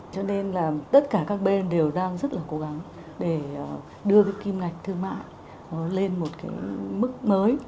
cho nên là tất cả các bên đều đang rất là cố gắng để đưa cái kim ngạch thương mại lên một cái mức mới